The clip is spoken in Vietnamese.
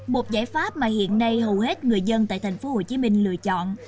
một giải pháp mà hiện nay hầu hết người dân tại tp hcm lựa chọn